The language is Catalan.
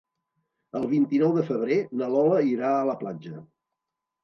El vint-i-nou de febrer na Lola irà a la platja.